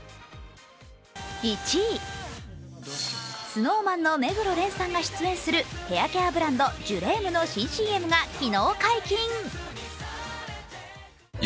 １位、ＳｎｏｗＭａｎの目黒蓮さんが出演するヘアケアブランド、ジュレームの新ＣＭが昨日解禁。